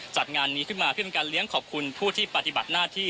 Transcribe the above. จัดงานนี้ขึ้นมาเพื่อเป็นการเลี้ยงขอบคุณผู้ที่ปฏิบัติหน้าที่